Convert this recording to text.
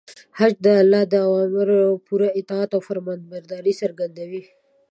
حج د الله د امر پوره اطاعت او فرمانبرداري څرګندوي.